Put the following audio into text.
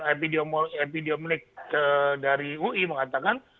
epidemiologi dari ui mengatakan